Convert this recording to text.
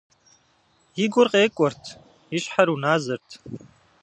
И гур къекӏуэрт, и щхьэр уназэрт.